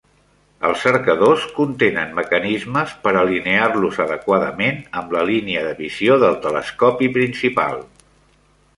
Els cercadors contenen mecanismes per alinear-los adequadament amb la línia de visió del telescopi principal.